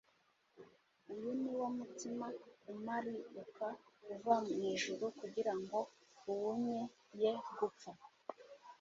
Uyu ni wo mutsima umariuka uva mu ijuru kugira ngo uwunye ye gupfa.